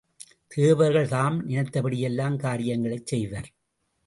தேவர்கள் தாம் நினைத்தபடியெல்லாம் காரியங்களைச் செய்வர்.